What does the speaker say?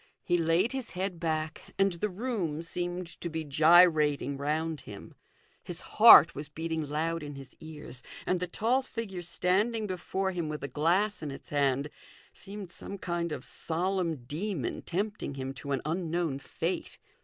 He laid his head back, and the room seemed to be gyrating round him. His heart was beating loud in his ears, and the 304 THE GOLDEN RULE. tall figure standing before him with a glass in its hand seemed some kind of solemn demon tempting him to an unknown fate.